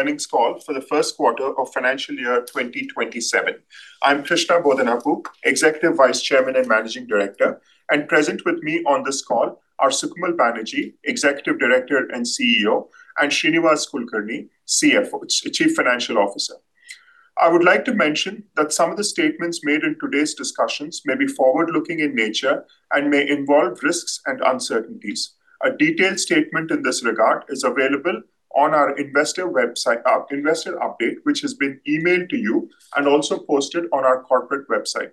Earnings call for the First Quarter of Financial Year 2027. I'm Krishna Bodanapu, Executive Vice Chairman and Managing Director. Present with me on this call are Sukamal Banerjee, Executive Director and CEO, and Shrinivas Kulkarni, CFO, Chief Financial Officer. I would like to mention that some of the statements made in today's discussions may be forward-looking in nature and may involve risks and uncertainties. A detailed statement in this regard is available on our investor update, which has been emailed to you and also posted on our corporate website.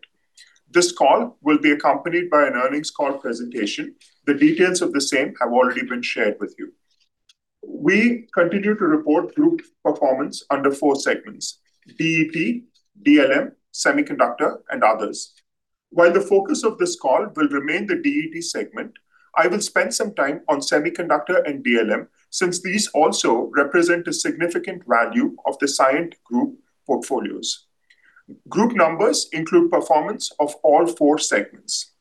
This call will be accompanied by an earnings call presentation. The details of the same have already been shared with you. We continue to report group performance under four segments: DET, DLM, Semiconductor, and others. While the focus of this call will remain the DET segment, I will spend some time on Semiconductor and DLM, since these also represent a significant value of the Cyient Group portfolios. Group numbers include performance of all four segments.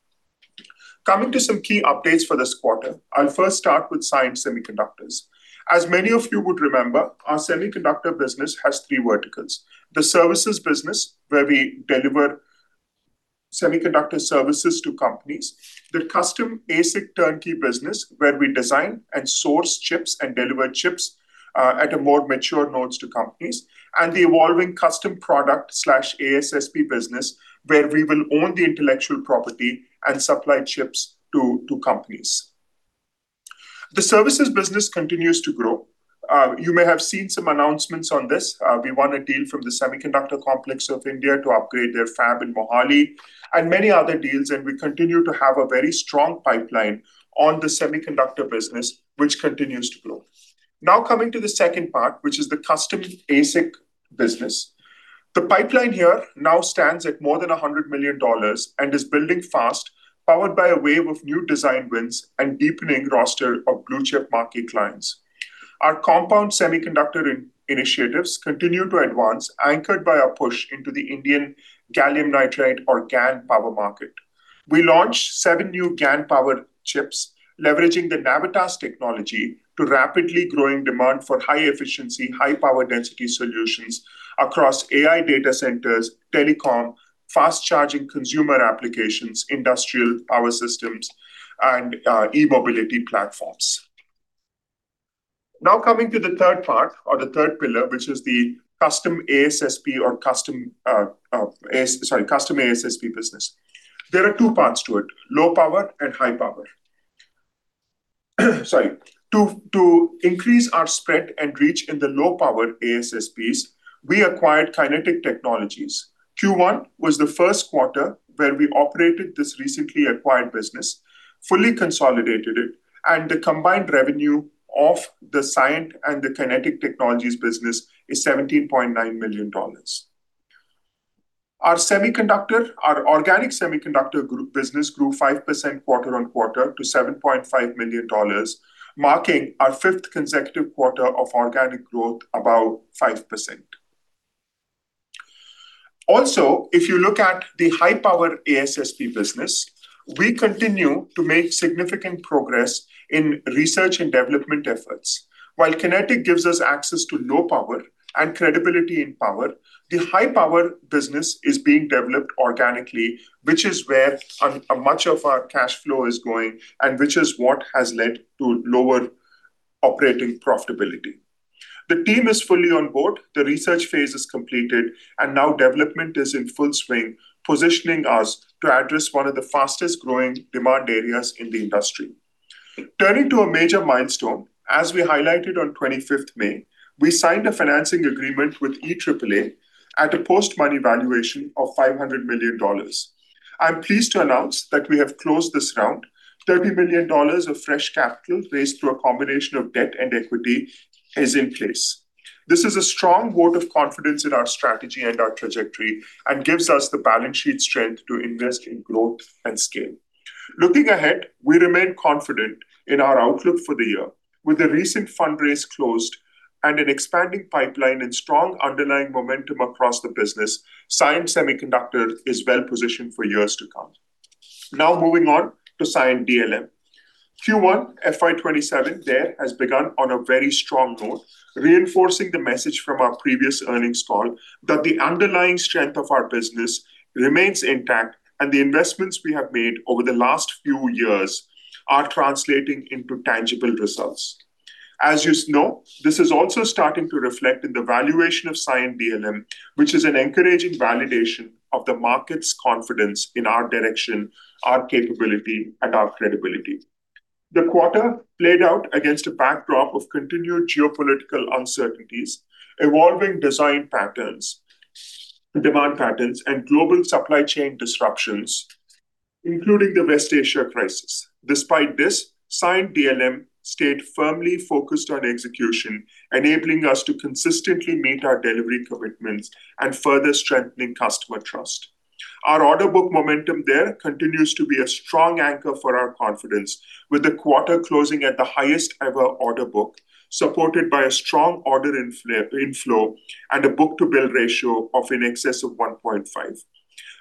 Coming to some key updates for this quarter, I'll first start with Cyient Semiconductors. As many of you would remember, our Semiconductor business has three verticals. The services business, where we deliver semiconductor services to companies. The custom ASIC turnkey business, where we design and source chips and deliver chips at a more mature nodes to companies. The evolving custom product/ASSP business, where we will own the intellectual property and supply chips to companies. The services business continues to grow. You may have seen some announcements on this. We won a deal from the Semiconductor Complex of India to upgrade their fab in Mohali and many other deals, we continue to have a very strong pipeline on the Semiconductor business, which continues to grow. Coming to the second part, which is the custom ASIC business. The pipeline here now stands at more than INR 100 million and is building fast, powered by a wave of new design wins and deepening roster of blue-chip marquee clients. Our compound semiconductor initiatives continue to advance, anchored by a push into the Indian gallium nitride or GaN power market. We launched seven new GaN power chips leveraging the Navitas technology to rapidly growing demand for high-efficiency, high-power density solutions across AI data centers, telecom, fast-charging consumer applications, industrial power systems, and E-mobility platforms. Coming to the third part or the third pillar, which is the custom ASSP business. There are two parts to it, low power and high power. Sorry. To increase our spread and reach in the low-power ASSPs, we acquired Kinetic Technologies. Q1 was the first quarter where we operated this recently acquired business, fully consolidated it, the combined revenue of the Cyient and the Kinetic Technologies business is INR 17.9 million. Our organic Semiconductor group business grew 5% quarter-on-quarter to INR 7.5 million, marking our fifth consecutive quarter of organic growth, about 5%. If you look at the high-power ASSP business, we continue to make significant progress in research and development efforts. While Kinetic gives us access to low power and credibility in power, the high-power business is being developed organically, which is where much of our cash flow is going and which is what has led to lower operating profitability. The team is fully on board, the research phase is completed, development is in full swing, positioning us to address one of the fastest-growing demand areas in the industry. Turning to a major milestone, as we highlighted on 25th May, we signed a financing agreement with EAAA at a post-money valuation of $500 million. I'm pleased to announce that we have closed this round. $30 million of fresh capital raised through a combination of debt and equity is in place. This is a strong vote of confidence in our strategy and our trajectory and gives us the balance sheet strength to invest in growth and scale. Looking ahead, we remain confident in our outlook for the year. With the recent fundraise closed and an expanding pipeline and strong underlying momentum across the business, Cyient Semiconductors is well-positioned for years to come. Now moving on to Cyient DLM. Q1 FY 2027 there has begun on a very strong note, reinforcing the message from our previous earnings call that the underlying strength of our business remains intact and the investments we have made over the last few years are translating into tangible results. As you know, this is also starting to reflect in the valuation of Cyient DLM, which is an encouraging validation of the market's confidence in our direction, our capability, and our credibility. The quarter played out against a backdrop of continued geopolitical uncertainties, evolving design patterns, demand patterns, and global supply chain disruptions, including the West Asia crisis. Despite this, Cyient DLM stayed firmly focused on execution, enabling us to consistently meet our delivery commitments and further strengthening customer trust. Our order book momentum there continues to be a strong anchor for our confidence, with the quarter closing at the highest ever order book, supported by a strong order inflow and a book to bill ratio of in excess of 1.5.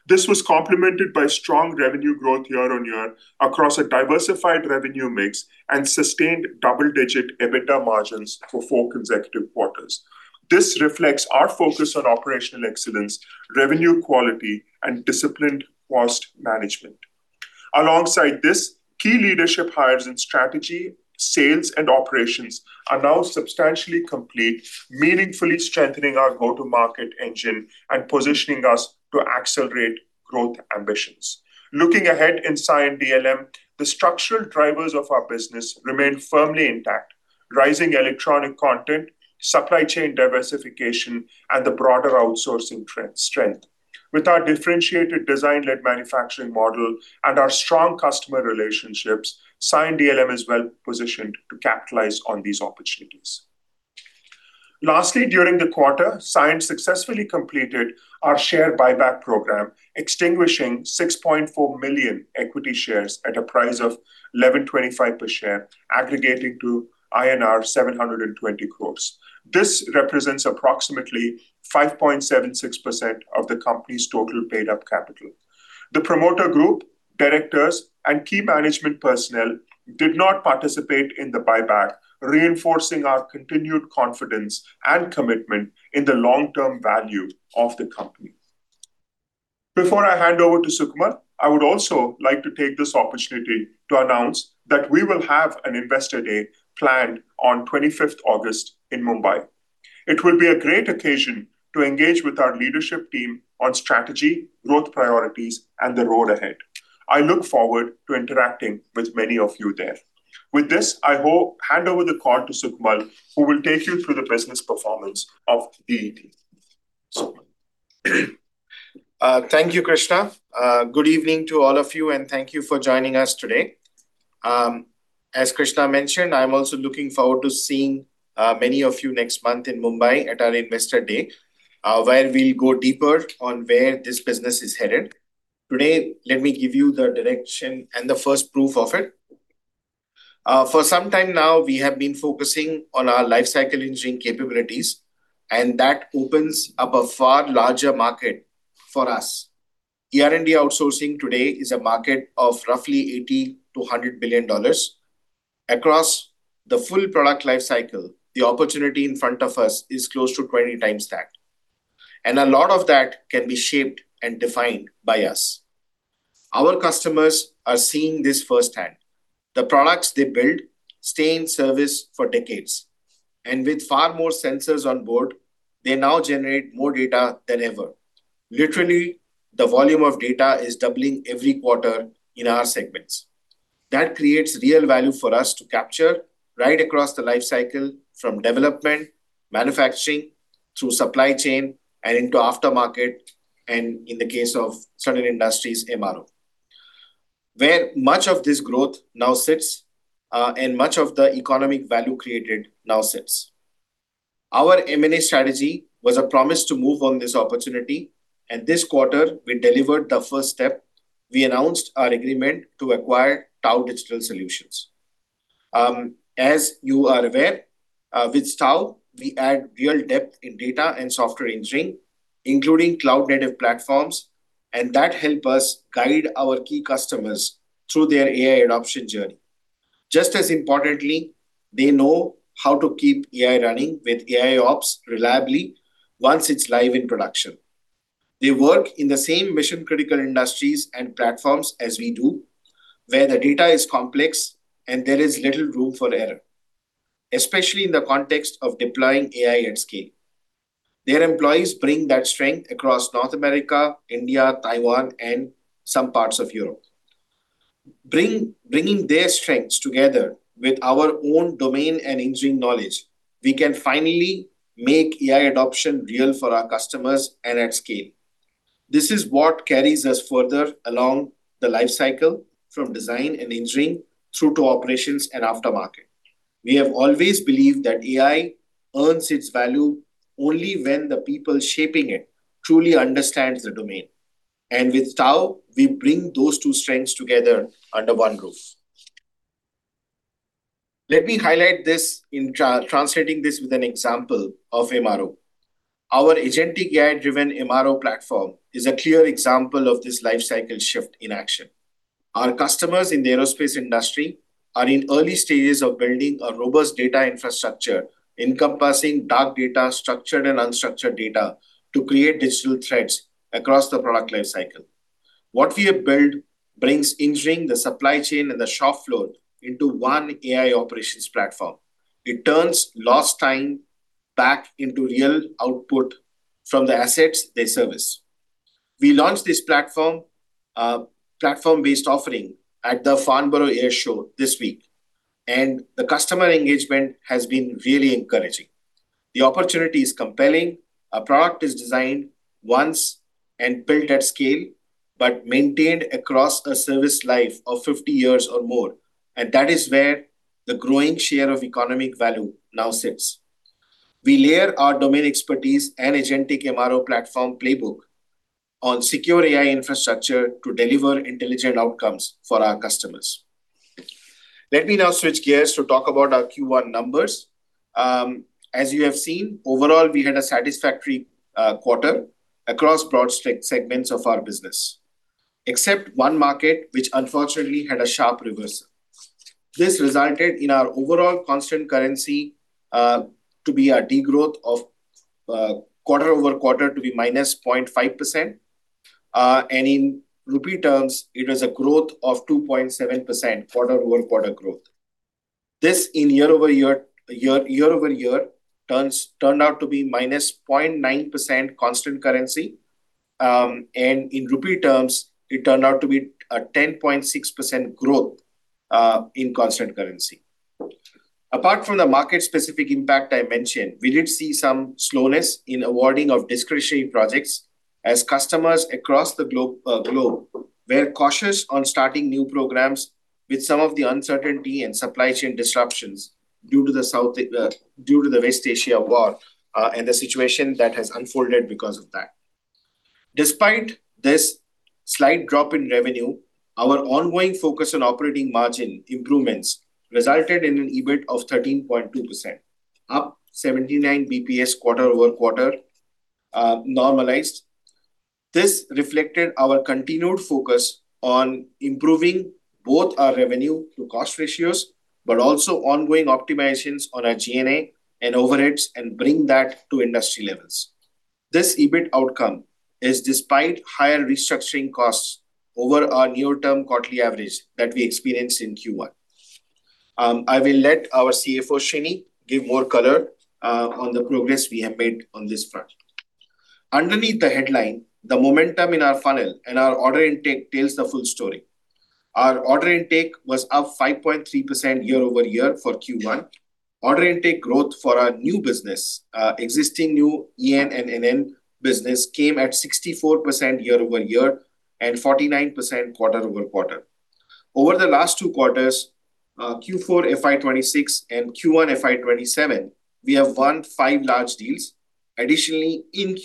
This was complemented by strong revenue growth year-on-year across a diversified revenue mix and sustained double-digit EBITDA margins for four consecutive quarters. This reflects our focus on operational excellence, revenue quality, and disciplined cost management. Alongside this, key leadership hires in strategy, sales, and operations are now substantially complete, meaningfully strengthening our go-to-market engine and positioning us to accelerate growth ambitions. Looking ahead in Cyient DLM, the structural drivers of our business remain firmly intact. Rising electronic content, supply chain diversification, and the broader outsourcing trend strength. With our differentiated design-led manufacturing model and our strong customer relationships, Cyient DLM is well-positioned to capitalize on these opportunities. Lastly, during the quarter, Cyient successfully completed our share buyback program, extinguishing 6.4 million equity shares at a price of 11.25 per share, aggregating to INR 720 crores. This represents approximately 5.76% of the company's total paid-up capital. The promoter group, directors, and key management personnel did not participate in the buyback, reinforcing our continued confidence and commitment in the long-term value of the company. Before I hand over to Sukamal, I would also like to take this opportunity to announce that we will have an investor day planned on 25th August in Mumbai. It will be a great occasion to engage with our leadership team on strategy, growth priorities, and the road ahead. I look forward to interacting with many of you there. With this, I hand over the call to Sukamal, who will take you through the business performance of the team. Sukamal. Thank you, Krishna. Good evening to all of you, and thank you for joining us today. As Krishna mentioned, I'm also looking forward to seeing many of you next month in Mumbai at our investor day, where we'll go deeper on where this business is headed. Today, let me give you the direction and the first proof of it. For some time now, we have been focusing on our life cycle engineering capabilities. That opens up a far larger market for us. ER&D outsourcing today is a market of roughly $80 billion-$100 billion. Across the full product life cycle, the opportunity in front of us is close to 20x that. A lot of that can be shaped and defined by us. Our customers are seeing this firsthand. The products they build stay in service for decades. With far more sensors on board, they now generate more data than ever. Literally, the volume of data is doubling every quarter in our segments. That creates real value for us to capture right across the life cycle, from development, manufacturing through supply chain, and into aftermarket, and in the case of certain industries, MRO, where much of this growth now sits, and much of the economic value created now sits. Our M&A strategy was a promise to move on this opportunity. This quarter we delivered the first step. We announced our agreement to acquire TAO Digital Solutions. As you are aware, with TAO we add real depth in data and software engineering, including cloud-native platforms. That help us guide our key customers through their AI adoption journey. Just as importantly, they know how to keep AI running with AIOps reliably once it's live in production. They work in the same mission-critical industries and platforms as we do, where the data is complex and there is little room for error, especially in the context of deploying AI at scale. Their employees bring that strength across North America, India, Taiwan, and some parts of Europe. Bringing their strengths together with our own domain and engineering knowledge, we can finally make AI adoption real for our customers and at scale. This is what carries us further along the life cycle from design and engineering through to operations and aftermarket. We have always believed that AI earns its value only when the people shaping it truly understand the domain. With TAO, we bring those two strengths together under one roof. Let me highlight this in translating this with an example of MRO. Our agentic AI-driven MRO platform is a clear example of this life cycle shift in action. Our customers in the aerospace industry are in early stages of building a robust data infrastructure encompassing dark data, structured and unstructured data to create digital threads across the product life cycle. What we have built brings engineering, the supply chain, and the shop floor into one AI operations platform. It turns lost time back into real output from the assets they service. We launched this platform-based offering at the Farnborough Airshow this week. The customer engagement has been really encouraging. The opportunity is compelling. A product is designed once and built at scale but maintained across a service life of 50 years or more. That is where the growing share of economic value now sits. We layer our domain expertise and agentic MRO platform playbook on secure AI infrastructure to deliver intelligent outcomes for our customers. Let me now switch gears to talk about our Q1 numbers. As you have seen, overall, we had a satisfactory quarter across broad segments of our business. Except one market, which unfortunately had a sharp reversal. This resulted in our overall constant currency to be a degrowth of quarter-over-quarter to be minus 0.5%. In rupee terms, it was a growth of 2.7% quarter-over-quarter growth. This in year-over-year turned out to be minus 0.9% constant currency. In rupee terms, it turned out to be a 10.6% growth in constant currency. Apart from the market-specific impact I mentioned, we did see some slowness in awarding of discretionary projects as customers across the globe were cautious on starting new programs with some of the uncertainty and supply chain disruptions due to the West Asia war and the situation that has unfolded because of that. Despite this slight drop in revenue, our ongoing focus on operating margin improvements resulted in an EBIT of 13.2%, up 79 basis points quarter-over-quarter, normalized. This reflected our continued focus on improving both our revenue to cost ratios, but also ongoing optimizations on our G&A and overheads and bring that to industry levels. This EBIT outcome is despite higher restructuring costs over our near-term quarterly average that we experienced in Q1. I will let our CFO, Shrini, give more color on the progress we have made on this front. Underneath the headline, the momentum in our funnel and our order intake tells the full story. Our order intake was up 5.3% year-over-year for Q1. Order intake growth for our new business, existing new EN and NN business came at 64% year-over-year and 49% quarter-over-quarter. Over the last two quarters, Q4 FY 2026 and Q1 FY 2027, we have won five large deals. Additionally, in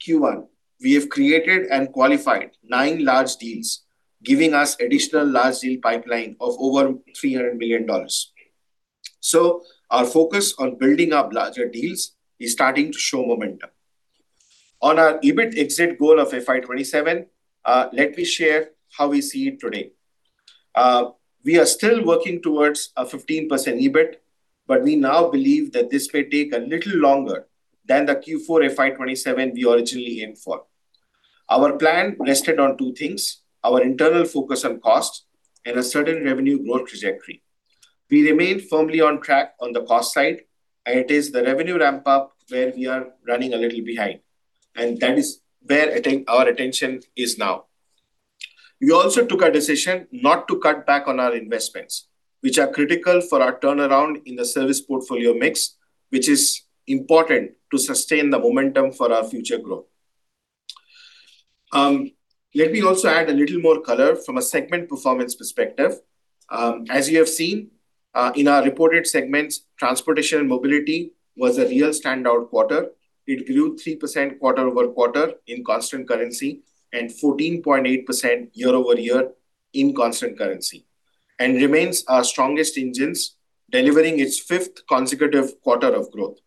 Q1, we have created and qualified nine large deals, giving us additional large deal pipeline of over INR 300 million. Our focus on building up larger deals is starting to show momentum. On our EBIT exit goal of FY 2027, let me share how we see it today. We are still working towards a 15% EBIT, but we now believe that this may take a little longer than the Q4 FY 2027 we originally aimed for. Our plan rested on two things, our internal focus on cost and a certain revenue growth trajectory. We remain firmly on track on the cost side, and it is the revenue ramp-up where we are running a little behind, and that is where our attention is now. We also took a decision not to cut back on our investments, which are critical for our turnaround in the service portfolio mix, which is important to sustain the momentum for our future growth. Let me also add a little more color from a segment performance perspective. As you have seen, in our reported segments, transportation and mobility was a real standout quarter. It grew 3% quarter-over-quarter in constant currency and 14.8% year-over-year in constant currency and remains our strongest engines, delivering its fifth consecutive quarter of growth.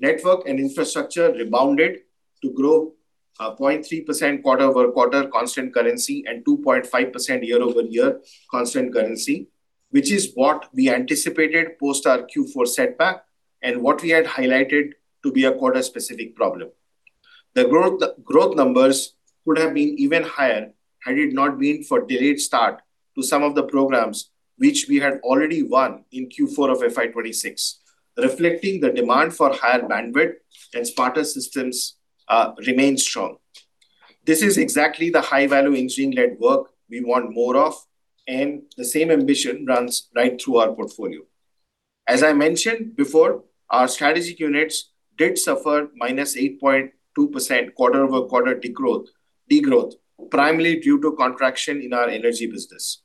Network and infrastructure rebounded to grow 0.3% quarter-over-quarter constant currency and 2.5% year-over-year constant currency, which is what we anticipated post our Q4 setback and what we had highlighted to be a quarter specific problem. The growth numbers would have been even higher had it not been for delayed start to some of the programs which we had already won in Q4 of FY 2026, reflecting the demand for higher bandwidth and smarter systems remains strong. This is exactly the high value engineering led work we want more of, and the same ambition runs right through our portfolio. As I mentioned before, our strategic units did suffer minus 8.2% quarter-over-quarter degrowth, primarily due to contraction in our energy business.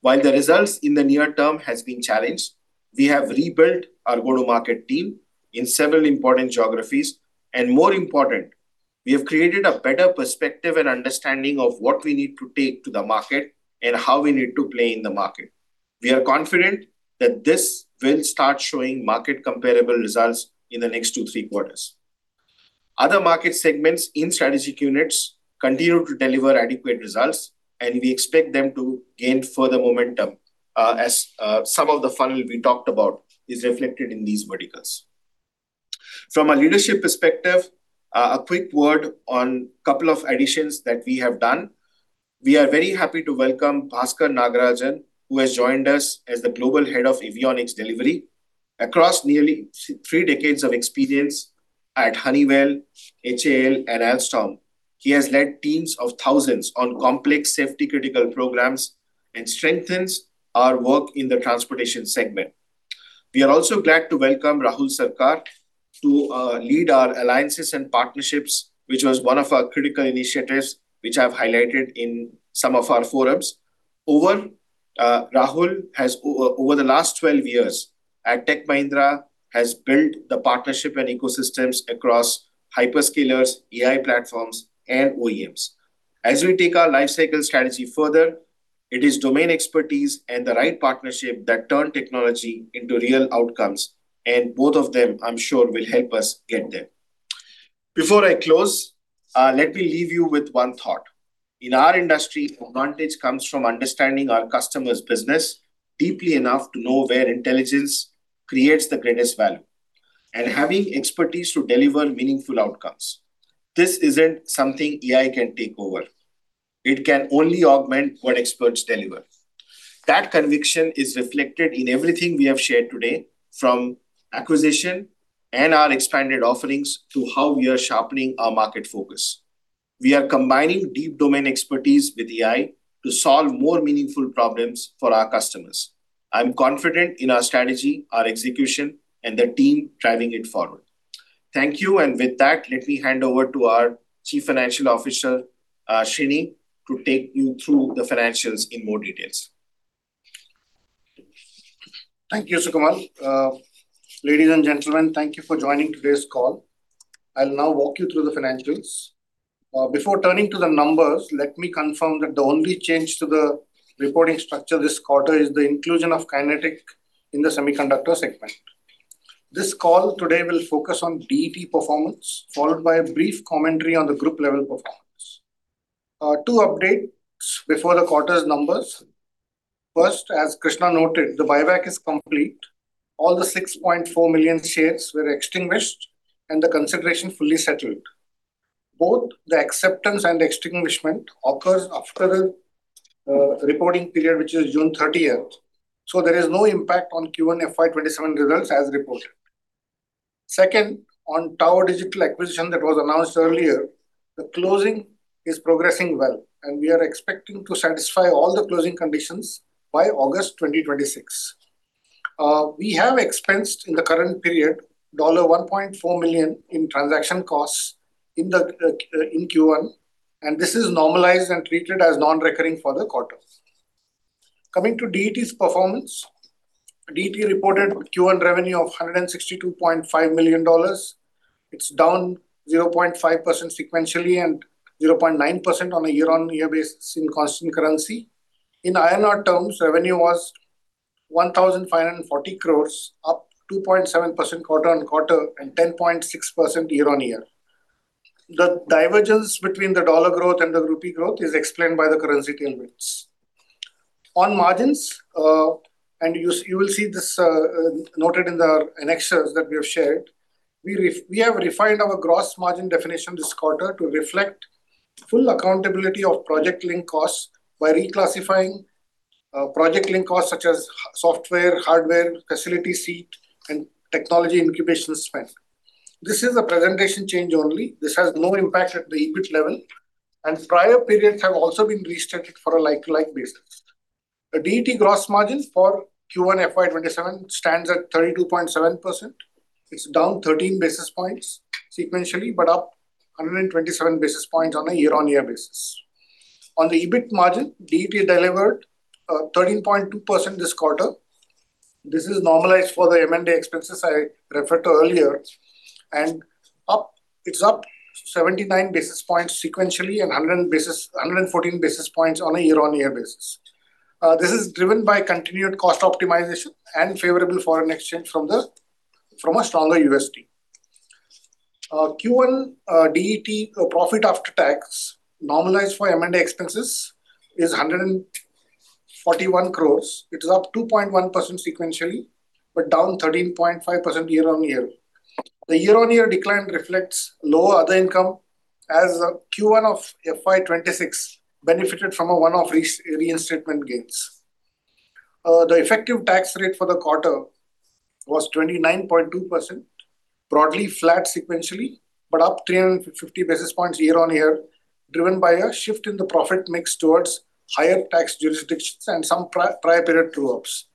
While the results in the near term has been challenged, we have rebuilt our go-to-market team in several important geographies. More important, we have created a better perspective and understanding of what we need to take to the market and how we need to play in the market. We are confident that this will start showing market comparable results in the next two, three quarters. Other market segments in strategic units continue to deliver adequate results. We expect them to gain further momentum, as some of the funnel we talked about is reflected in these verticals. From a leadership perspective, a quick word on couple of additions that we have done. We are very happy to welcome Baskar Nagarajan, who has joined us as the Global Head of Avionics Delivery. Across nearly three decades of experience at Honeywell, HAL, and Alstom, he has led teams of thousands on complex safety critical programs and strengthens our work in the transportation segment. We are also glad to welcome Rahul Sarkar to lead our alliances and partnerships, which was one of our critical initiatives, which I've highlighted in some of our forums. Rahul has, over the last 12 years at Tech Mahindra, built the partnership and ecosystems across hyperscalers, AI platforms, and OEMs. As we take our life cycle strategy further, it is domain expertise and the right partnership that turn technology into real outcomes. Both of them, I'm sure, will help us get there. Before I close, let me leave you with one thought. In our industry, advantage comes from understanding our customer's business deeply enough to know where intelligence creates the greatest value and having expertise to deliver meaningful outcomes. This isn't something AI can take over. It can only augment what experts deliver. That conviction is reflected in everything we have shared today, from acquisition and our expanded offerings to how we are sharpening our market focus. We are combining deep domain expertise with AI to solve more meaningful problems for our customers. I'm confident in our strategy, our execution, and the team driving it forward. Thank you. With that, let me hand over to our Chief Financial Officer, Shrini, to take you through the financials in more details. Thank you, Sukamal. Ladies and gentlemen, thank you for joining today's call. I will now walk you through the financials. Before turning to the numbers, let me confirm that the only change to the reporting structure this quarter is the inclusion of Kinetic in the semiconductor segment. This call today will focus on DET performance, followed by a brief commentary on the group level performance. Two updates before the quarter's numbers. First, as Krishna noted, the buyback is complete. All the 6.4 million shares were extinguished and the consideration fully settled. Both the acceptance and extinguishment occurs after the reporting period, which is June 30th. There is no impact on Q1 FY 2027 results as reported. Second, on TAO Digital Solutions acquisition that was announced earlier, the closing is progressing well, and we are expecting to satisfy all the closing conditions by August 2026. We have expensed in the current period $1.4 million in transaction costs in Q1, and this is normalized and treated as non-recurring for the quarter. Coming to DET's performance. DET reported Q1 revenue of $162.5 million. It is down 0.5% sequentially and 0.9% on a year-on-year basis in constant currency. In INR terms, revenue was 1,540 crores, up 2.7% quarter-on-quarter and 10.6% year-on-year. The divergence between the dollar growth and the rupee growth is explained by the currency tailwinds. On margins, you will see this noted in our annexures that we have shared. We have refined our gross margin definition this quarter to reflect full accountability of project link costs by reclassifying project link costs such as software, hardware, facility seat, and technology incubation spend. This is a presentation change only. This has no impact at the EBIT level, and prior periods have also been restated for a like-to-like basis. The DET gross margins for Q1 FY 2027 stands at 32.7%. It is down 13 basis points sequentially, but up 127 basis points on a year-on-year basis. On the EBIT margin, DET delivered 13.2% this quarter. This is normalized for the M&A expenses I referred to earlier, and it is up 79 basis points sequentially and 114 basis points on a year-on-year basis. This is driven by continued cost optimization and favorable foreign exchange from a stronger USD. Q1 DET profit after tax normalized for M&A expenses is 141 crores. It is up 2.1% sequentially, but down 13.5% year-on-year. The year-on-year decline reflects lower other income as Q1 of FY 2026 benefited from one-off reinstatement gains. The effective tax rate for the quarter was 29.2%, broadly flat sequentially, but up 350 basis points year-on-year, driven by a shift in the profit mix towards higher tax jurisdictions and some prior period true-ups.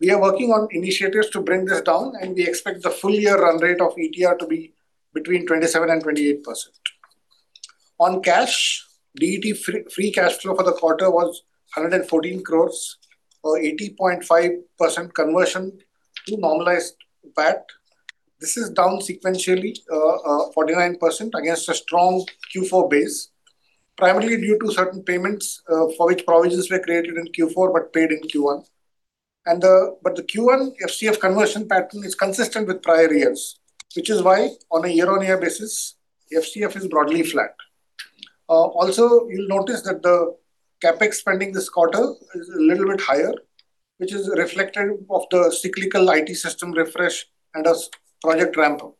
We are working on initiatives to bring this down, and we expect the full year run rate of ETR to be between 27%-28%. On cash, DET free cash flow for the quarter was 114 crores or 80.5% conversion to normalized PAT. This is down sequentially 49% against a strong Q4 base, primarily due to certain payments for which provisions were created in Q4 but paid in Q1. The Q1 FCF conversion pattern is consistent with prior years, which is why, on a year-on-year basis, FCF is broadly flat. Also, you will notice that the CapEx spending this quarter is a little bit higher, which is reflective of the cyclical IT system refresh and as project ramp-up.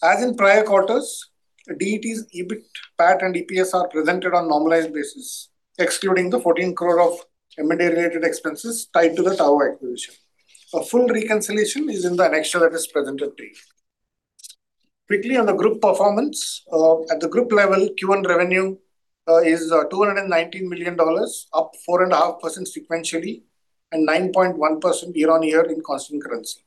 As in prior quarters, DET's EBIT, PAT, and EPS are presented on normalized basis, excluding the 14 crore of M&A related expenses tied to the TAO acquisition. A full reconciliation is in the annexure that is presented today. Quickly on the group performance. At the group level, Q1 revenue is $219 million, up 4.5% sequentially and 9.1% year-on-year in constant currency.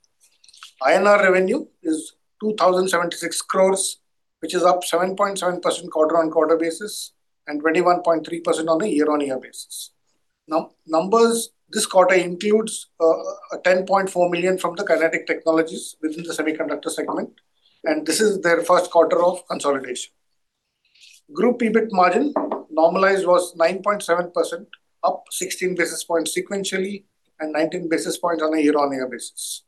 2,076 crores, which is up 7.7% quarter-on-quarter basis and 21.3% on a year-on-year basis. Numbers this quarter includes $10.4 million from the Kinetic Technologies within the Semiconductor segment, and this is their first quarter of consolidation. Group EBIT margin normalized was 9.7%, up 16 basis points sequentially and 19 basis points on a year-on-year basis.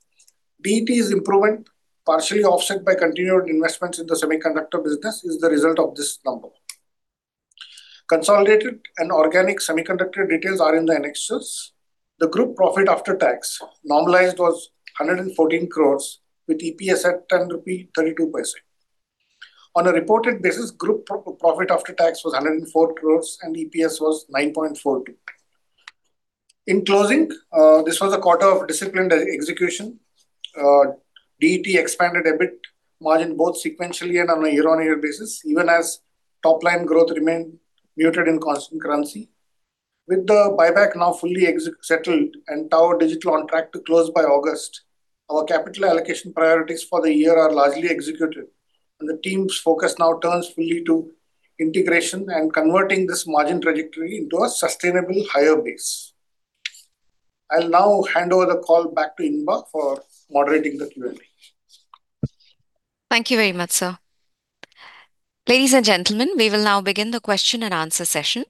DET's improvement, partially offset by continued investments in the Semiconductor business, is the result of this number. Consolidated and organic Semiconductor details are in the annexures. The group profit after tax normalized was 114 crores with EPS at 10.32 rupee. On a reported basis, group profit after tax was 104 crores and EPS was 9.42. In closing, this was a quarter of disciplined execution. DET expanded a bit, margin both sequentially and on a year-on-year basis, even as top-line growth remained muted in constant currency. With the buyback now fully settled and TAO Digital Solutions on track to close by August, our capital allocation priorities for the year are largely executed, and the team's focus now turns fully to integration and converting this margin trajectory into a sustainable higher base. I'll now hand over the call back to Inba for moderating the Q&A. Thank you very much, sir. Ladies and gentlemen, we will now begin the question-and-answer session.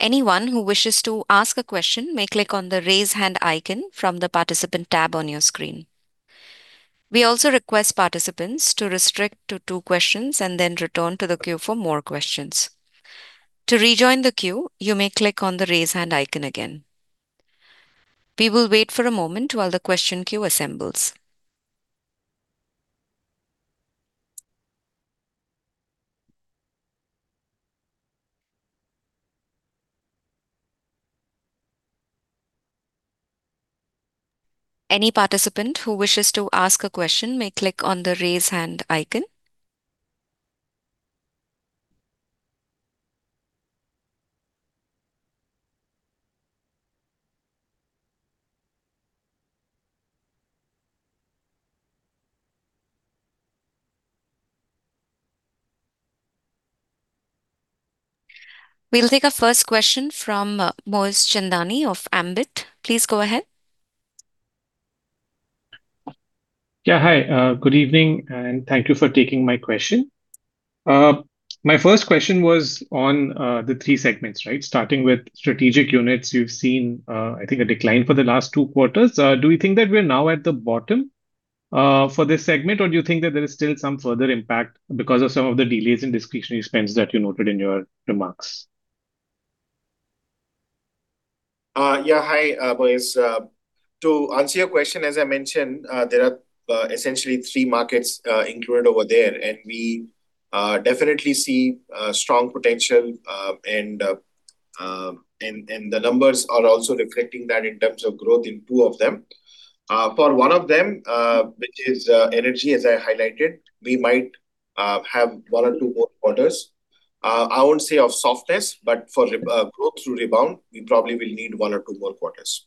Anyone who wishes to ask a question may click on the raise hand icon from the participant tab on your screen. We also request participants to restrict to two questions and then return to the queue for more questions. To rejoin the queue, you may click on the raise hand icon again. We will wait for a moment while the question queue assembles. Any participant who wishes to ask a question may click on the raise hand icon. We'll take our first question from Moez Chandani of Ambit. Please go ahead. Hi, good evening, Thank you for taking my question. My first question was on the three segments, right? Starting with strategic units, you've seen, I think, a decline for the last two quarters. Do we think that we're now at the bottom for this segment, or do you think that there is still some further impact because of some of the delays in discretionary spends that you noted in your remarks? Yeah. Hi, Moez. To answer your question, as I mentioned, there are essentially three markets included over there, and we definitely see strong potential, and the numbers are also reflecting that in terms of growth in two of them. For one of them, which is energy, as I highlighted, we might have one or two more quarters. I won't say of softness, but for growth to rebound, we probably will need one or two more quarters.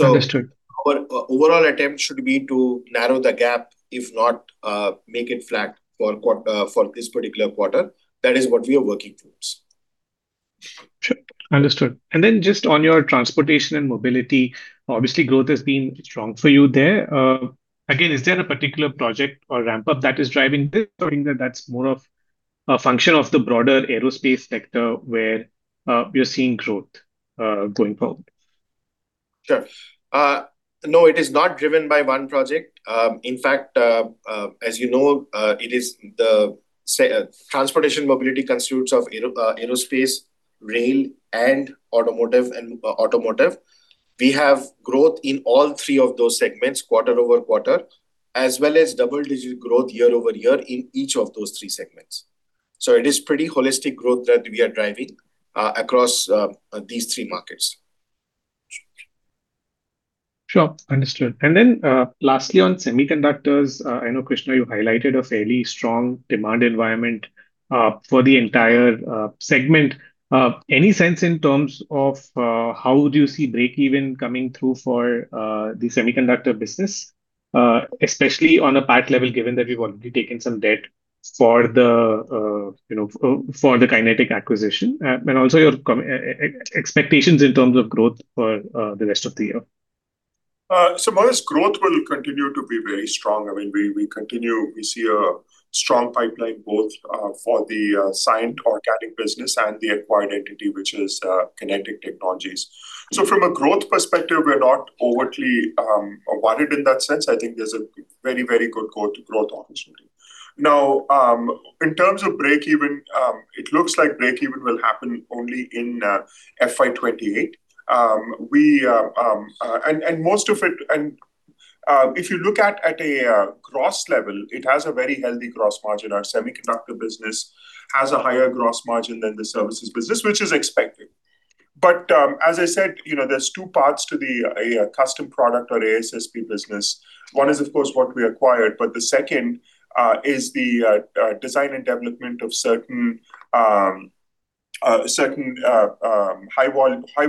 Understood. Our overall attempt should be to narrow the gap, if not make it flat for this particular quarter. That is what we are working towards. Sure. Understood. Just on your transportation and mobility, obviously, growth has been strong for you there. Again, is there a particular project or ramp-up that is driving this, or you think that that's more of a function of the broader aerospace sector where we are seeing growth going forward? Sure. No, it is not driven by one project. In fact, as you know, the transportation mobility constitutes of aerospace, rail and automotive. We have growth in all three of those segments quarter-over-quarter, as well as double-digit growth year-over-year in each of those three segments. It is pretty holistic growth that we are driving across these three markets. Sure. Understood. Lastly, on semiconductors, I know, Krishna, you highlighted a fairly strong demand environment for the entire segment. Any sense in terms of how do you see breakeven coming through for the semiconductor business? Especially on a PAT level, given that we've already taken some debt for the Kinetic acquisition, and also your expectations in terms of growth for the rest of the year. Moez, growth will continue to be very strong. We see a strong pipeline both for the Cyient organic business and the acquired entity, which is Kinetic Technologies. From a growth perspective, we're not overtly worried in that sense. I think there's a very good growth opportunity. In terms of breakeven, it looks like breakeven will happen only in FY 2028. If you look at a gross level, it has a very healthy gross margin. Our semiconductor business has a higher gross margin than the services business, which is expected. As I said, there's two parts to a custom product or ASSP business. One is, of course, what we acquired, but the second is the design and development of certain high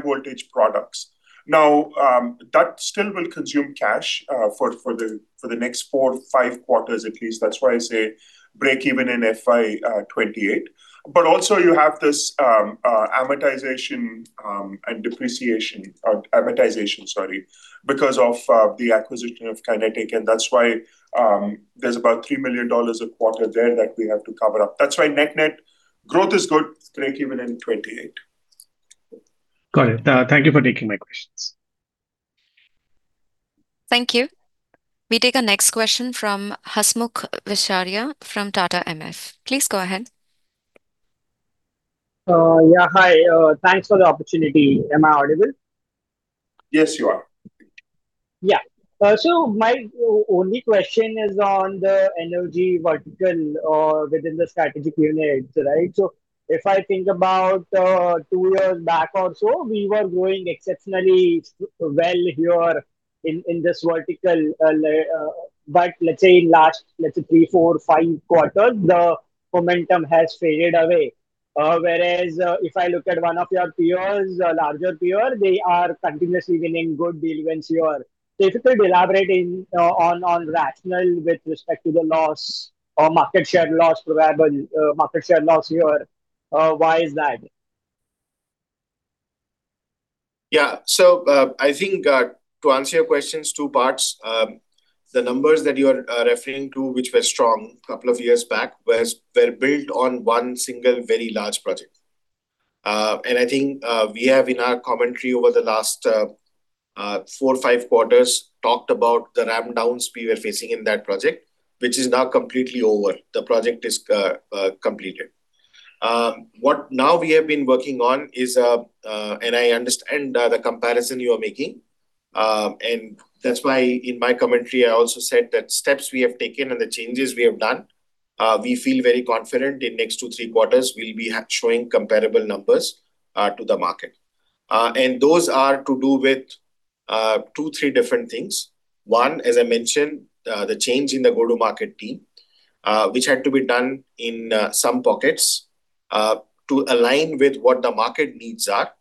voltage products. That still will consume cash for the next four, five quarters at least. That's why I say breakeven in FY 2028. Also you have this amortization and depreciation. Amortization, sorry, because of the acquisition of Kinetic, and that's why there's about $3 million a quarter there that we have to cover up. That's why net net growth is good, breakeven in 2028. Got it. Thank you for taking my questions. Thank you. We take our next question from Hasmukh Vishariya from Tata MF. Please go ahead. Hi. Thanks for the opportunity. Am I audible? Yes, you are. My only question is on the energy vertical or within the strategic unit. If I think about two years back or so, we were growing exceptionally well here in this vertical. But let's say in last three, four, five quarters, the momentum has faded away. Whereas if I look at one of your peers, a larger peer, they are continuously winning good deal wins here. If you could elaborate on rationale with respect to the loss or market share loss, probably market share loss here, why is that? I think to answer your questions, two parts. The numbers that you are referring to, which were strong couple of years back, were built on one single very large project. I think we have in our commentary over the last four, five quarters, talked about the ramp downs we were facing in that project, which is now completely over. The project is completed. What now we have been working on is, and I understand the comparison you are making, and that's why in my commentary, I also said that steps we have taken and the changes we have done, we feel very confident in next two, three quarters we'll be showing comparable numbers to the market. Those are to do with two, three different things. One, as I mentioned, the change in the go-to-market team, which had to be done in some pockets, to align with what the market needs are.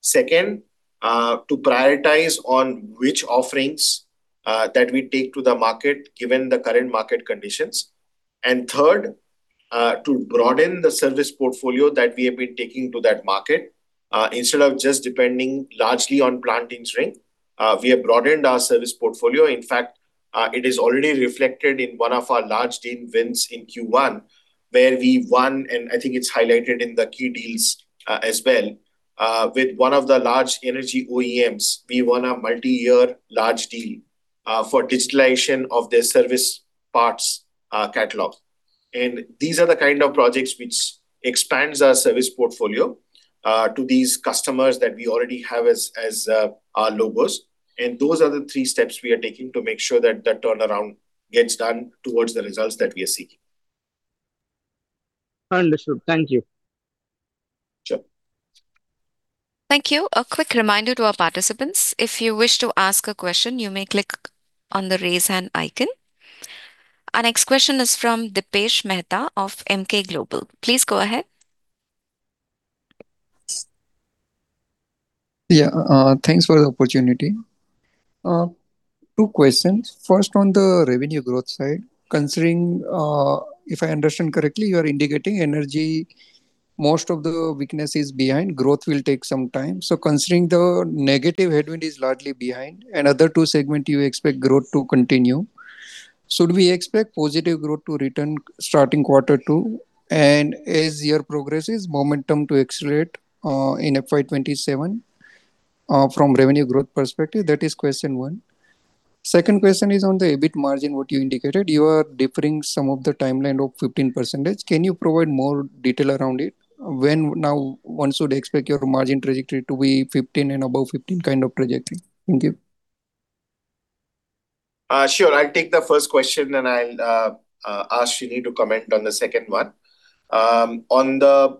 Second, to prioritize on which offerings that we take to the market given the current market conditions. Third, to broaden the service portfolio that we have been taking to that market. Instead of just depending largely on plant engineering, we have broadened our service portfolio. In fact, it is already reflected in one of our large deal wins in Q1, where we won, I think it's highlighted in the key deals as well, with one of the large energy OEMs. We won a multi-year large deal for digitalization of their service parts catalog. These are the kind of projects which expands our service portfolio to these customers that we already have as our logos. Those are the three steps we are taking to make sure that the turnaround gets done towards the results that we are seeking. Understood. Thank you. Sure. Thank you. A quick reminder to our participants, if you wish to ask a question, you may click on the raise hand icon. Our next question is from Dipesh Mehta of Emkay Global. Please go ahead. Yeah. Thanks for the opportunity. Two questions. First, on the revenue growth side, considering, if I understand correctly, you are indicating energy, most of the weakness is behind, growth will take some time. Considering the negative headwind is largely behind, and other two segment you expect growth to continue, should we expect positive growth to return starting quarter two, and as year progresses, momentum to accelerate, in FY 2027 from revenue growth perspective? That is question one. Second question is on the EBIT margin, what you indicated. You are deferring some of the timeline of 15%. Can you provide more detail around it? When one should expect your margin trajectory to be 15 and above 15 kind of trajectory. Thank you. Sure. I'll take the first question and I'll ask Shrini to comment on the second one. On the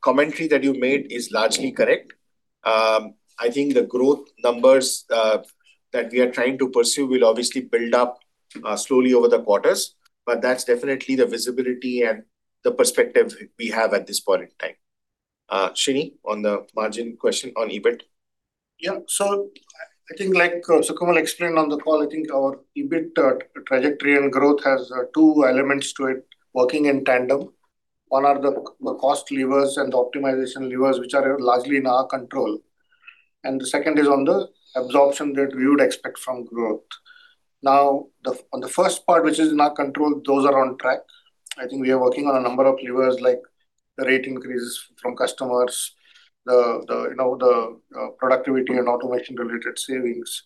commentary that you made is largely correct. I think the growth numbers that we are trying to pursue will obviously build up slowly over the quarters, but that's definitely the visibility and the perspective we have at this point in time. Shrini, on the margin question on EBIT. Yeah. I think like Sukamal explained on the call, I think our EBIT trajectory and growth has two elements to it working in tandem. One are the cost levers and the optimization levers, which are largely in our control. The second is on the absorption that we would expect from growth. On the first part, which is in our control, those are on track. I think we are working on a number of levers like the rate increases from customers, the productivity and automation related savings,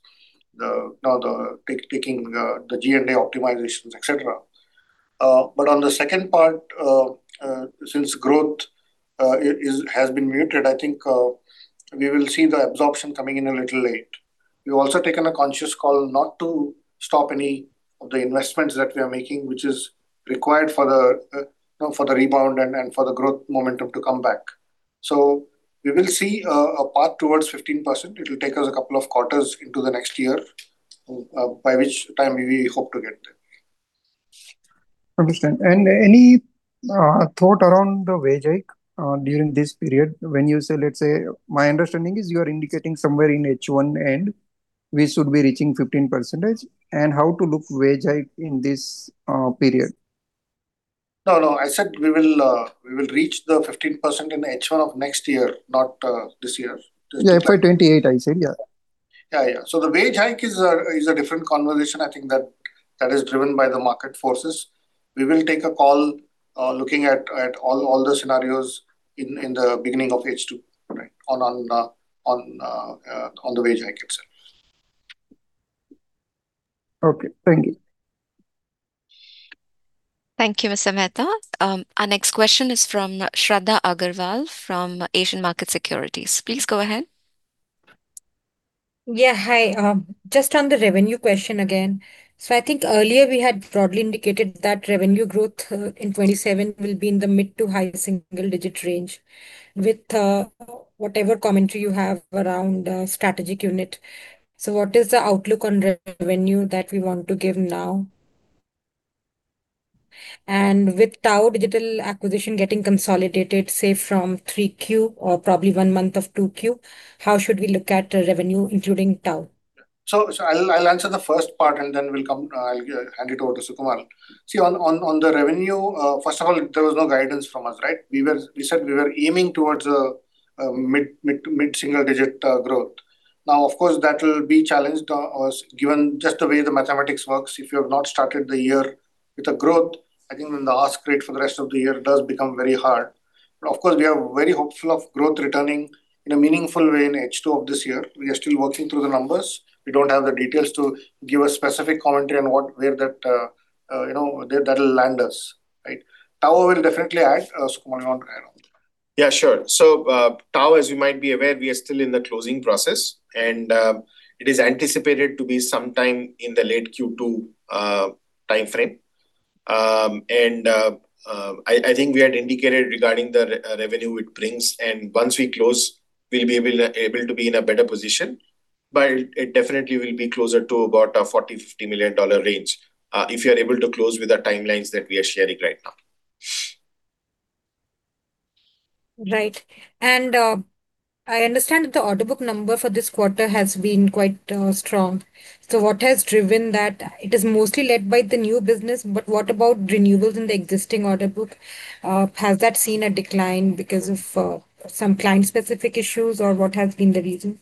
taking the G&A optimizations, et cetera. But on the second part, since growth has been muted, I think we will see the absorption coming in a little late. We've also taken a conscious call not to stop any of the investments that we are making, which is required for the rebound and for the growth momentum to come back. We will see a path towards 15%. It will take us a couple of quarters into the next year, by which time we hope to get there. Understand. Any thought around the wage hike during this period when you say, let's say, my understanding is you are indicating somewhere in H1 end, we should be reaching 15%. How to look wage hike in this period? No, I said we will reach the 15% in H1 of next year, not this year. Yeah, FY 2028, I said, yeah. Yeah. The wage hike is a different conversation. I think that is driven by the market forces. We will take a call looking at all the scenarios in the beginning of H2 on the wage hike itself. Okay, thank you. Thank you, Mr. Mehta. Our next question is from Shradha Agrawal from Asian Market Securities. Please go ahead. Yeah, hi. Just on the revenue question again. I think earlier we had broadly indicated that revenue growth in 2027 will be in the mid-to-high single-digit range with whatever commentary you have around strategic unit. What is the outlook on revenue that we want to give now? With TAO Digital acquisition getting consolidated, say from 3Q or probably one month of 2Q, how should we look at revenue including TAO? I'll answer the first part and then I'll hand it over to Sukamal. See on the revenue, first of all, there was no guidance from us, right? We said we were aiming towards a mid-single-digit growth. Of course, that will be challenged, given just the way the mathematics works. If you have not started the year with a growth, I think then the ask rate for the rest of the year does become very hard. Of course, we are very hopeful of growth returning in a meaningful way in H2 of this year. We are still working through the numbers. We don't have the details to give a specific commentary on where that'll land us. TAO will definitely add. Sukamal, you want to add on to that? TAO Digital Solutions, as you might be aware, we are still in the closing process. It is anticipated to be sometime in the late Q2 timeframe. I think we had indicated regarding the revenue it brings. Once we close, we will be able to be in a better position, but it definitely will be closer to about a $40 million to $50 million range, if we are able to close with the timelines that we are sharing right now. Right. I understand that the order book number for this quarter has been quite strong. What has driven that? It is mostly led by the new business. What about renewables in the existing order book? Has that seen a decline because of some client-specific issues, or what has been the reason?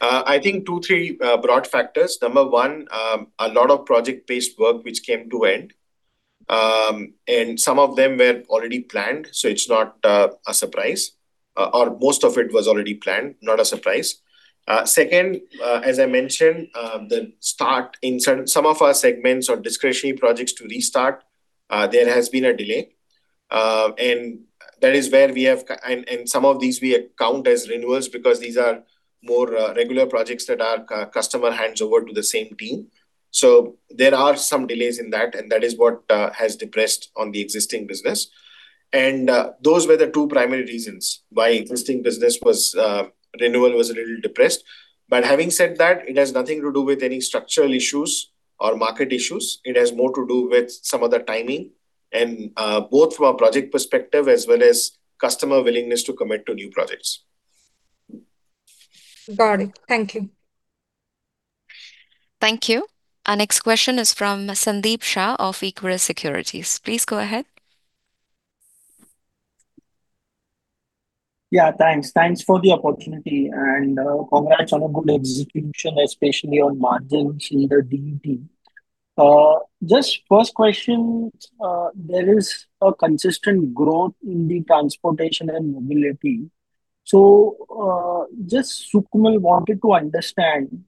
I think two, three broad factors. Number one, a lot of project-based work which came to end. Some of them were already planned, so it is not a surprise. Most of it was already planned, not a surprise. Second, as I mentioned, the start in some of our segments or discretionary projects to restart, there has been a delay. Some of these we count as renewals because these are more regular projects that our customer hands over to the same team. There are some delays in that, and that is what has depressed on the existing business. Those were the two primary reasons why existing business renewal was a little depressed. Having said that, it has nothing to do with any structural issues or market issues. It has more to do with some of the timing. Both from a project perspective as well as customer willingness to commit to new projects. Got it. Thank you. Thank you. Our next question is from Sandeep Shah of Equirus Securities. Please go ahead. Yeah, thanks. Thanks for the opportunity, and congrats on a good execution, especially on margins in the DET. Just, Sukamal, wanted to understand,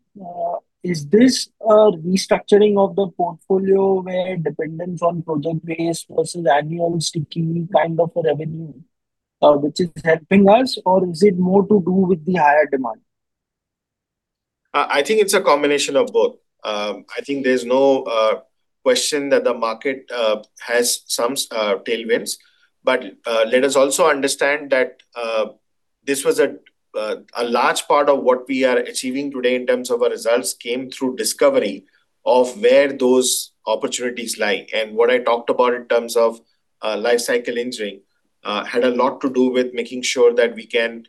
is this a restructuring of the portfolio where dependence on project-based versus annual sticky kind of a revenue, which is helping us, or is it more to do with the higher demand? I think it's a combination of both. I think there's no question that the market has some tailwinds. Let us also understand that this was a large part of what we are achieving today in terms of our results came through discovery of where those opportunities lie. What I talked about in terms of life cycle engineering had a lot to do with making sure that we can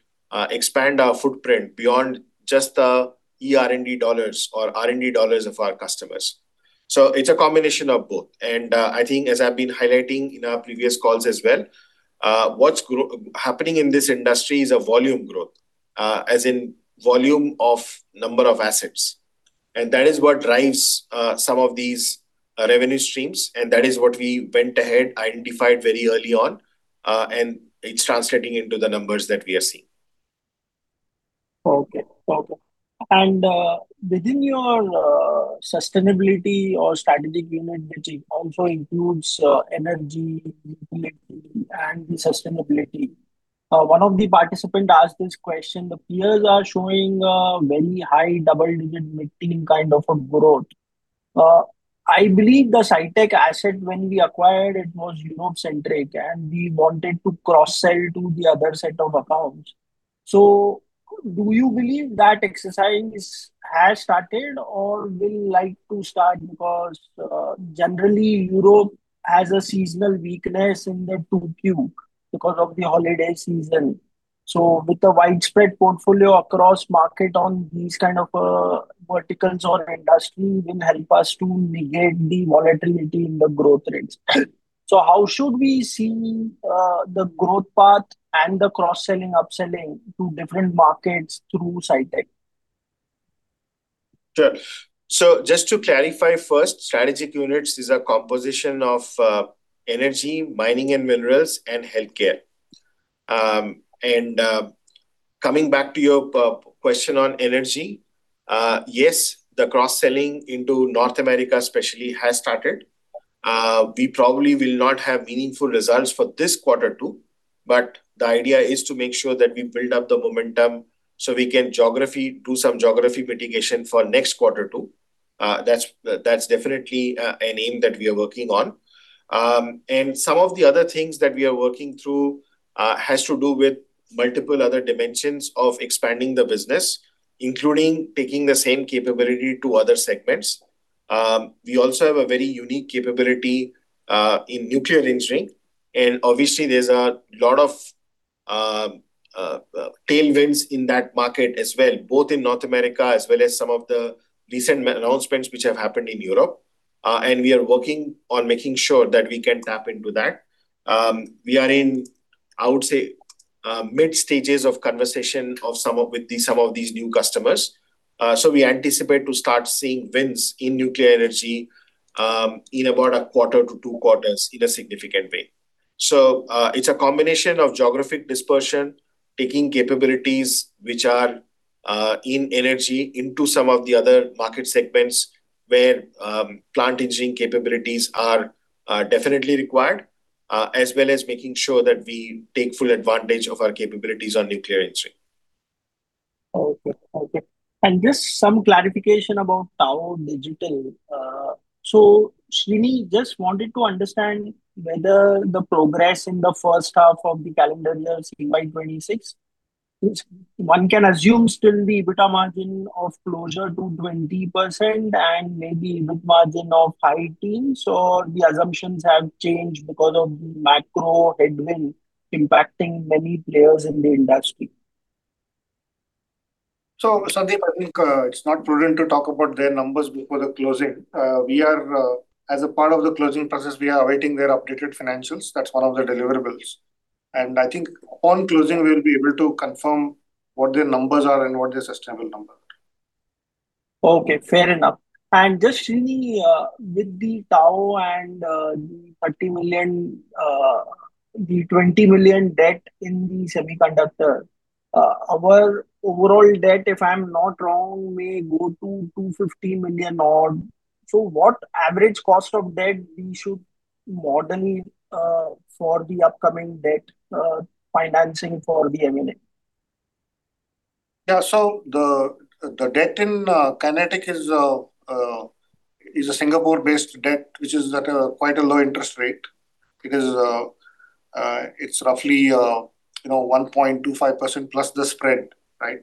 expand our footprint beyond just the ER&D dollars or R&D dollars of our customers. It's a combination of both, and I think as I've been highlighting in our previous calls as well, what's happening in this industry is a volume growth, as in volume of number of assets. That is what drives some of these revenue streams, and that is what we went ahead, identified very early on, and it's translating into the numbers that we are seeing. Okay. Within your sustainability or strategic unit, which also includes energy, utility, and the sustainability, one of the participants asked this question. The peers are showing a very high double-digit mid-teen kind of a growth. I believe the Citec asset when we acquired it was Europe centric, we wanted to cross-sell to the other set of accounts. Do you believe that exercise has started or will like to start? Generally Europe has a seasonal weakness in the Q2 because of the holiday season. With the widespread portfolio across market on these kind of verticals or industry will help us to negate the volatility in the growth rates. How should we see the growth path and the cross-selling, upselling to different markets through Citec? Sure. Just to clarify first, strategic units is a composition of energy, mining and minerals, and healthcare. Coming back to your question on energy, yes, the cross-selling into North America especially has started. We probably will not have meaningful results for this quarter two, but the idea is to make sure that we build up the momentum so we can do some geography mitigation for next quarter two. That's definitely an aim that we are working on. Some of the other things that we are working through has to do with multiple other dimensions of expanding the business, including taking the same capability to other segments. We also have a very unique capability in nuclear engineering, obviously there's a lot of tailwinds in that market as well, both in North America as well as some of the recent announcements which have happened in Europe. We are working on making sure that we can tap into that. We are in, I would say, mid stages of conversation with some of these new customers. We anticipate to start seeing wins in nuclear energy in about a quarter to two quarters in a significant way. It's a combination of geographic dispersion, taking capabilities which are in energy into some of the other market segments where plant engineering capabilities are definitely required, as well as making sure that we take full advantage of our capabilities on nuclear engineering. Okay. Just some clarification about TAO Digital. Shrini, just wanted to understand whether the progress in the first half of the calendar year FY 2026, which one can assume still the EBITDA margin of closure to 20% and maybe EBITDA margin of high teens, or the assumptions have changed because of macro headwind impacting many players in the industry. Sandeep, I think it's not prudent to talk about their numbers before the closing. As a part of the closing process, we are awaiting their updated financials. That's one of the deliverables. I think on closing, we'll be able to confirm what their numbers are and what their sustainable number. Okay, fair enough. Just, Shrini, with the TAO Digital Solutions and the 20 million debt in the Cyient Semiconductors, our overall debt, if I'm not wrong, may go to 250 million odd. What average cost of debt we should model for the upcoming debt financing for the M&A? The debt in Kinetic Technologies is a Singapore-based debt, which is at quite a low interest rate. It's roughly 1.25% plus the spread, right?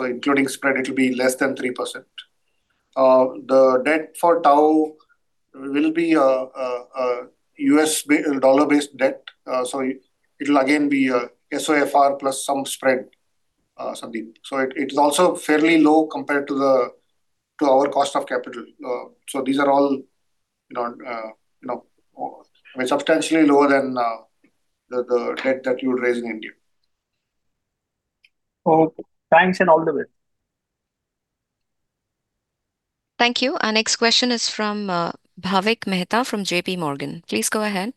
Including spread, it'll be less than 3%. The debt for TAO Digital Solutions will be a U.S. dollar-based debt. It'll again be SOFR+ some spread, Sandeep. It is also fairly low compared to our cost of capital. These are all substantially lower than the debt that you would raise in India. Okay. Thanks and all the best. Thank you. Our next question is from Bhavik Mehta from JPMorgan. Please go ahead.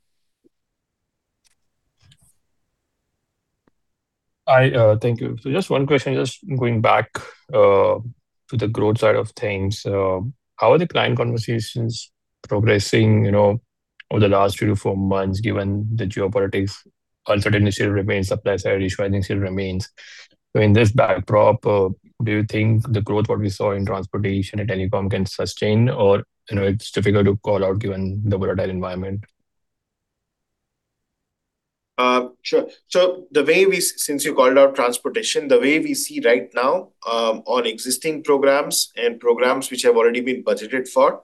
Hi, thank you. Just one question, just going back to the growth side of things. How are the client conversations progressing over the last three to four months, given the geopolitics uncertainty remains, supply side issue I think still remains. In this backdrop, do you think the growth, what we saw in transportation and telecom can sustain or it's difficult to call out given the volatile environment? Sure. Since you called out transportation, the way we see right now on existing programs and programs which have already been budgeted for,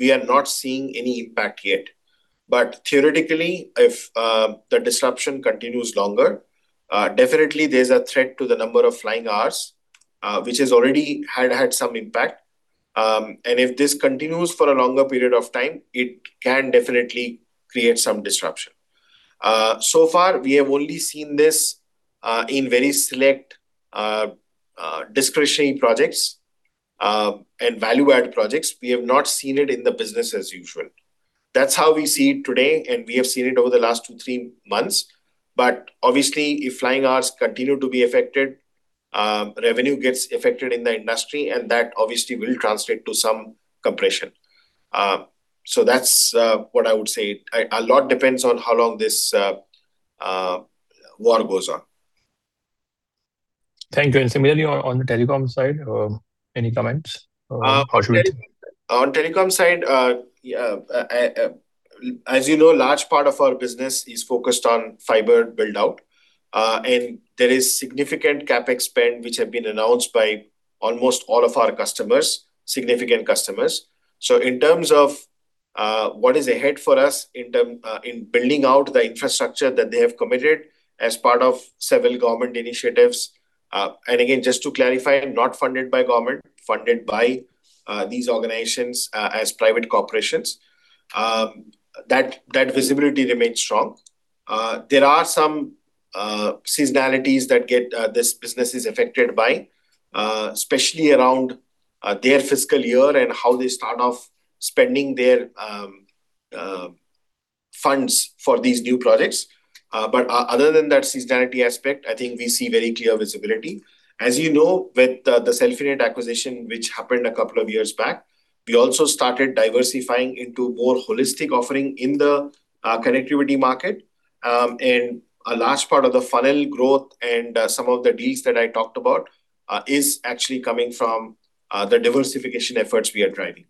we are not seeing any impact yet. Theoretically, if the disruption continues longer, definitely there's a threat to the number of flying hours, which already had some impact. If this continues for a longer period of time, it can definitely create some disruption. So far we have only seen this in very select discretionary projects, and value-add projects. We have not seen it in the business as usual. That's how we see it today, and we have seen it over the last two, three months. Obviously, if flying hours continue to be affected, revenue gets affected in the industry, and that obviously will translate to some compression. That's what I would say. A lot depends on how long this war goes on. Thank you. Similarly, on the telecom side, any comments? On telecom side, as you know, a large part of our business is focused on fiber build-out. There is significant CapEx spend, which have been announced by almost all of our customers, significant customers. In terms of what is ahead for us in building out the infrastructure that they have committed as part of several government initiatives, and again, just to clarify, not funded by government, funded by these organizations as private corporations. That visibility remains strong. There are some seasonalities that this business is affected by, especially around their fiscal year and how they start off spending their funds for these new projects. Other than that seasonality aspect, I think we see very clear visibility. As you know, with the Celfinet acquisition, which happened a couple of years back, we also started diversifying into more holistic offering in the connectivity market. A large part of the funnel growth and some of the deals that I talked about is actually coming from the diversification efforts we are driving.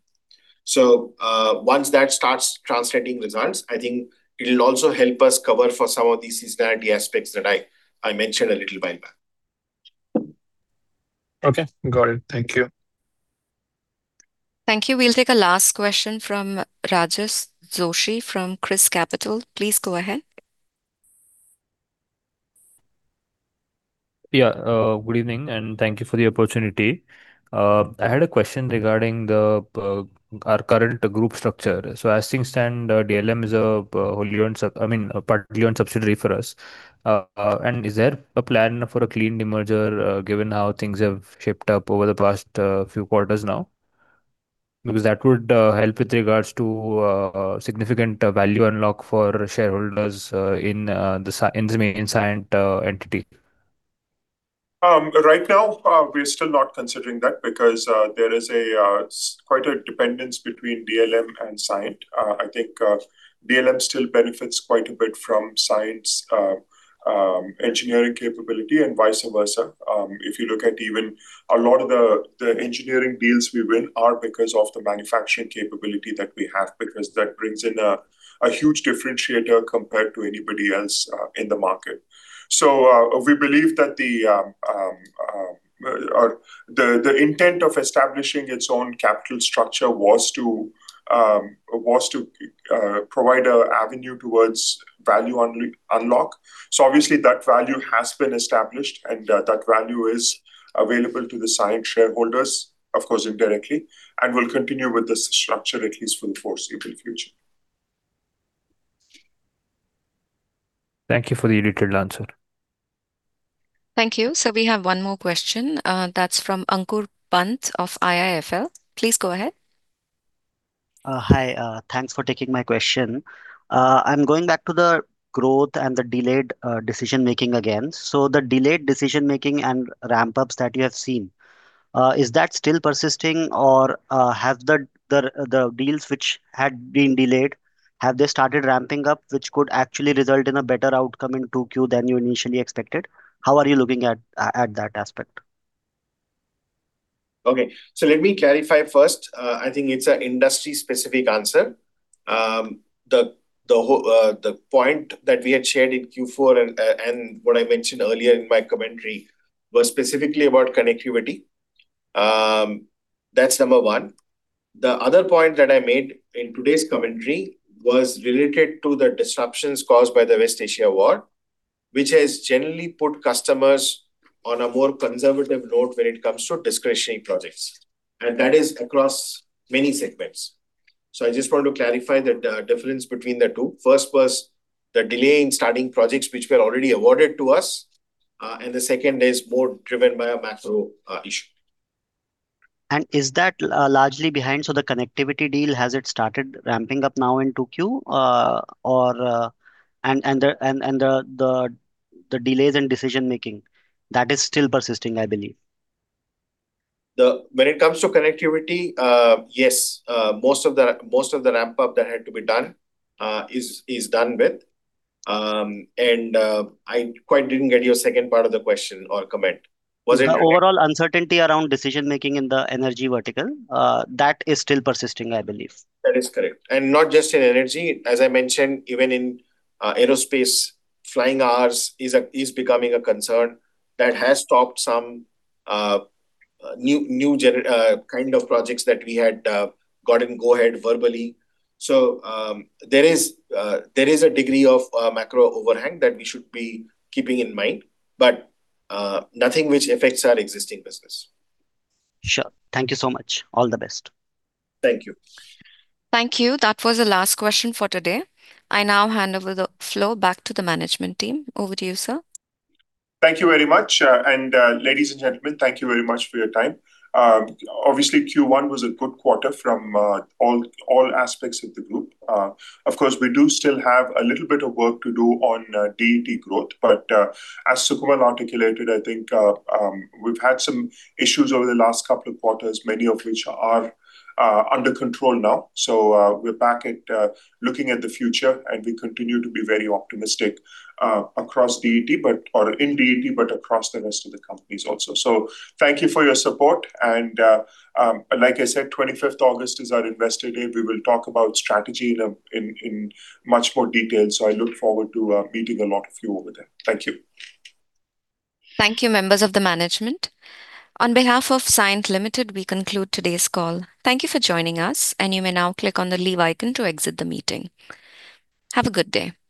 Once that starts translating results, I think it'll also help us cover for some of these seasonality aspects that I mentioned a little while back. Okay. Got it. Thank you. Thank you. We'll take a last question from Rajas Joshi from ChrysCapital. Please go ahead. Good evening, and thank you for the opportunity. I had a question regarding our current group structure. As things stand, DLM is a part wholly owned subsidiary for us. Is there a plan for a clean demerger, given how things have shaped up over the past few quarters now? That would help with regards to significant value unlock for shareholders in the main Cyient entity. Right now, we're still not considering that because there is quite a dependence between DLM and Cyient. I think DLM still benefits quite a bit from Cyient's engineering capability, and vice versa. If you look at even a lot of the engineering deals we win are because of the manufacturing capability that we have, because that brings in a huge differentiator compared to anybody else in the market. We believe that the intent of establishing its own capital structure was to provide an avenue towards value unlock. Obviously, that value has been established, and that value is available to the Cyient shareholders, of course, indirectly, and will continue with this structure at least for the foreseeable future. Thank you for the detailed answer. Thank you. We have one more question. That's from Ankur Pant of IIFL. Please go ahead. Hi. Thanks for taking my question. I'm going back to the growth and the delayed decision-making again. The delayed decision-making and ramp-ups that you have seen, is that still persisting, or have the deals which had been delayed, have they started ramping up, which could actually result in a better outcome in 2Q than you initially expected? How are you looking at that aspect? Okay. Let me clarify first. I think it's an industry-specific answer. The point that we had shared in Q4, and what I mentioned earlier in my commentary, was specifically about connectivity. That's number one. The other point that I made in today's commentary was related to the disruptions caused by the West Asia war, which has generally put customers on a more conservative note when it comes to discretionary projects, and that is across many segments. I just want to clarify the difference between the two. First was the delay in starting projects which were already awarded to us, and the second is more driven by a macro issue. Is that largely behind? The connectivity deal, has it started ramping up now in 2Q? The delays in decision-making, that is still persisting, I believe. When it comes to connectivity, yes. Most of the ramp-up that had to be done is done with. I quite didn't get your second part of the question or comment. The overall uncertainty around decision-making in the energy vertical, that is still persisting, I believe. That is correct. Not just in energy. As I mentioned, even in aerospace, flying hours is becoming a concern that has stopped some new kind of projects that we had gotten go-ahead verbally. There is a degree of macro overhang that we should be keeping in mind, but nothing which affects our existing business. Sure. Thank you so much. All the best. Thank you. Thank you. That was the last question for today. I now hand over the floor back to the management team. Over to you, sir. Thank you very much. Ladies and gentlemen, thank you very much for your time. Obviously, Q1 was a good quarter from all aspects of the group. Of course, we do still have a little bit of work to do on DET growth. As Sukamal articulated, I think we've had some issues over the last couple of quarters, many of which are under control now. We're back at looking at the future, and we continue to be very optimistic in DET, but across the rest of the companies also. Thank you for your support. Like I said, 25th August is our Investor Day. We will talk about strategy in much more detail. I look forward to meeting a lot of you over there. Thank you. Thank you, members of the management. On behalf of Cyient Limited, we conclude today's call. Thank you for joining us, and you may now click on the leave icon to exit the meeting. Have a good day. Goodbye